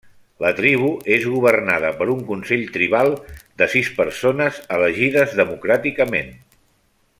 La tribu és governada per un consell tribal de sis persones elegides democràticament.